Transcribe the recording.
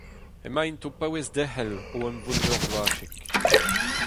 Emaint o paouez derc'hel o emvod-meur bloaziek.